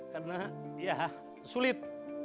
karena ya sulit